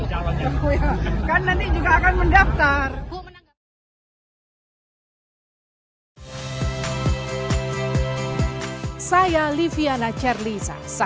untuk mengungkankan siapa kapan dan gimana